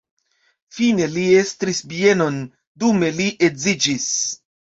Fine li estris bienon, dume li edziĝis.